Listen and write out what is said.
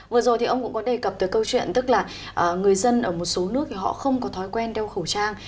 vừa rồi thì ông cũng có đề cập tới câu chuyện tức là người dân ở một số nước thì họ không có thói quen đeo khẩu trang